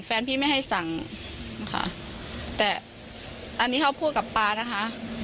แฟนพี่ไม่ให้สั่งค่ะแต่อันนี้เขาพูดกับปลานะคะ